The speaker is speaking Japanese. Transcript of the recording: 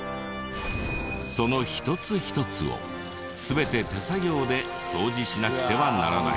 その一つ一つを全て手作業で掃除しなくてはならない。